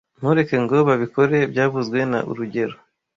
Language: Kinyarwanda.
Ntureke ngo babikore byavuzwe na rugero